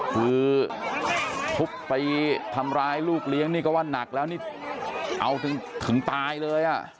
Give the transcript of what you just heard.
คือทุบไปทำร้ายลูกเลี้ยงนี่ก็ว่านักแล้วนี่เอาถึงตายเลยอ่ะ